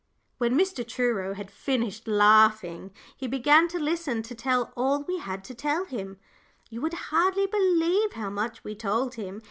When Mr. Truro had finished laughing, he began to listen to all we had to tell him. You would hardly believe how much we told him.